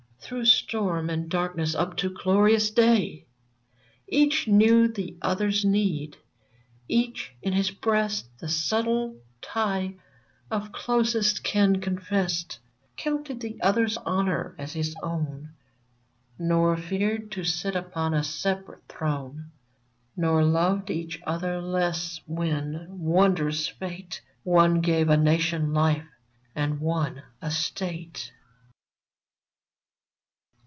VERMONT 119 Through storm and darkness up to glorious day ! Each knew the other's need ; each in his breast The subtle tie of closest kin confessed ; Counted the other's honor as his own ; Nor feared to sit upon a separate throne ; Nor loved each other less when — wondrous fate !— One gave a Nation life, and one a State